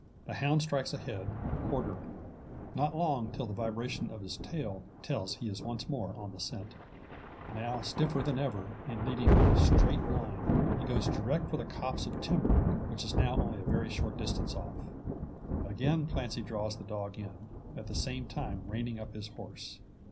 The hound strikes ahead, quartering. Not long till the vibration of his tail tells he is once more on the scent. Now stiffer than ever, and leading in a straight line. He goes direct for the copse of timber, which is now only a very short distance off. Again Clancy draws the dog in, at the same time reining up his horse.